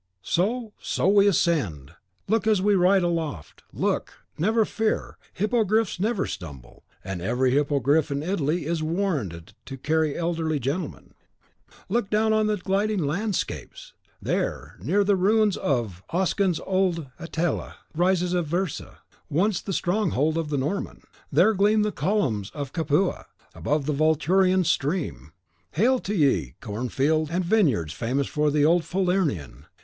So, so, we ascend! Look as we ride aloft, look! never fear, hippogriffs never stumble; and every hippogriff in Italy is warranted to carry elderly gentlemen, look down on the gliding landscapes! There, near the ruins of the Oscan's old Atella, rises Aversa, once the stronghold of the Norman; there gleam the columns of Capua, above the Vulturnian Stream. Hail to ye, cornfields and vineyards famous for the old Falernian!